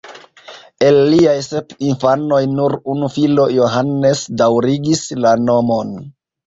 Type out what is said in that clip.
El liaj sep infanoj nur unu filo Johannes daŭrigis la nomon.